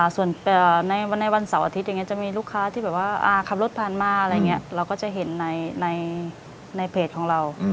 ส่วนในวันเสาร์อาทิตย์อย่างนี้จะมีลูกค้าที่แบบว่าขับรถผ่านมาอะไรอย่างนี้เราก็จะเห็นในเพจของเรา